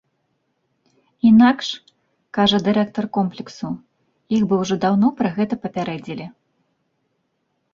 Інакш, кажа дырэктар комплексу, іх бы ўжо даўно пра гэта папярэдзілі.